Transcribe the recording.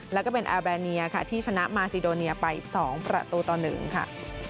แล้วก็เป็นแอร์แบรเนียค่ะที่ชนะมาซีโดเนียไป๒ประตูต่อ๑ค่ะ